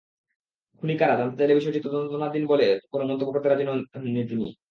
খুনি কারা—জানতে চাইলে বিষয়টি তদন্তাধীন বলে কোনো মন্তব্য করতে রাজি হননি তিনি।